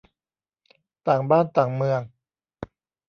ต่างบ้านต่างเมือง